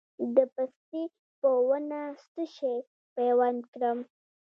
د پستې په ونه څه شی پیوند کړم؟